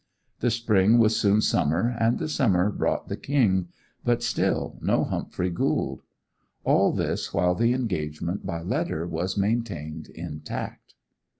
The spring was soon summer, and the summer brought the King; but still no Humphrey Gould. All this while the engagement by letter was maintained intact.